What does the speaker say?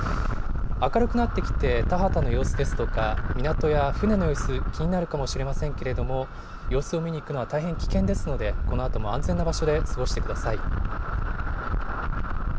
明るくなってきて、田畑の様子ですとか、港や船の様子、気になるかもしれませんけれども、様子を見に行くのは大変危険ですので、このあとも安全な場所で過ごしてください。